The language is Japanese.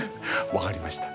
分かりました。